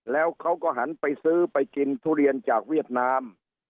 แล้วเขาก็หันไปซื้อไปกินทุเรียนจากเวียดนาม